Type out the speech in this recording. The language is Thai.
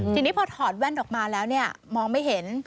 ทีนี้พอถอดแว่นออกมาแล้วเนี่ยมองไม่เห็น